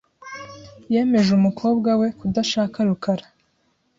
Yemeje umukobwa we kudashaka rukara .